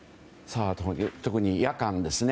特に夜間ですね。